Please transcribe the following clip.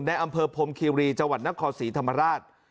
ในอำเภอพมคีรีจนครศรีธรรมราช